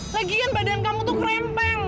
lagian badan kamu tuh kerempeng